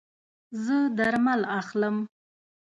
زه درمل اخلم